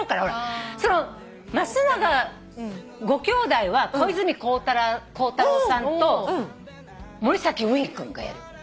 その増永ご兄弟は小泉孝太郎さんと森崎ウィン君がやる。